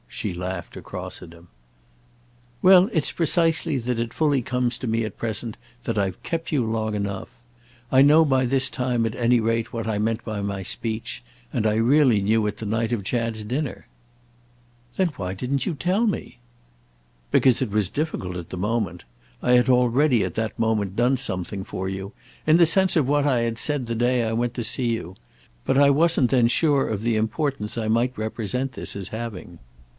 she laughed across at him. "Well, it's precisely that it fully comes to me at present that I've kept you long enough. I know by this time, at any rate, what I meant by my speech; and I really knew it the night of Chad's dinner." "Then why didn't you tell me?" "Because it was difficult at the moment. I had already at that moment done something for you, in the sense of what I had said the day I went to see you; but I wasn't then sure of the importance I might represent this as having."